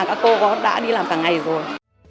các cô đã đi làm cả ngày rồi